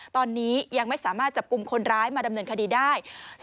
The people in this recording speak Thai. ตอนนี้ยังไม่สามารถจับกลุ่มคนร้ายมาดำเนินคดีได้